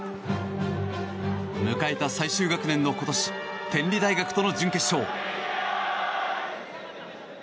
迎えた最終学年の今年天理大学との準決勝。